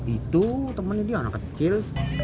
itu temannya dia orang kecil